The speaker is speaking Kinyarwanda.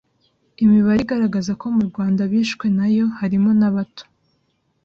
imibare igaragaza ko mu Rwanda abishwe na yo harimo nabato